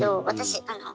私